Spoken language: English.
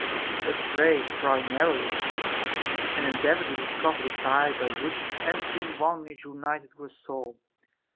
But pray pry narrowly, and endeavor to discover the tie by which every one is united to a soul.